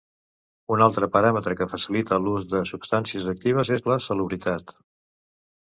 Un altre paràmetre que facilita l'ús de substàncies actives és la solubilitat.